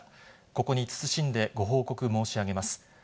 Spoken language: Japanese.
ここに謹んでご報告申し上げます。